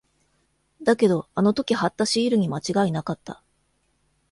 だけど、あの時貼ったシールに間違いなかった。